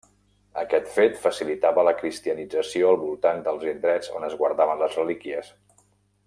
Aquest fet facilitava la cristianització al voltant dels indrets on es guardaven les relíquies.